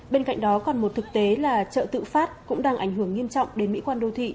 bên cạnh đó còn một thực tế là chợ tự phát cũng đang ảnh hưởng nghiêm trọng đến mỹ quan đô thị